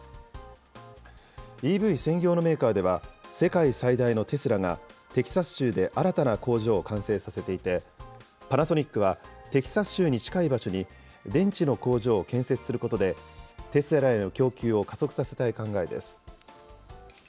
ＥＶ専業のメーカーでは、世界最大のテスラがテキサス州で新たな工場を完成させていて、パナソニックはテキサス州に近い場所に電池の工場を建設することで、テスラへの供給を加速させたい考えです。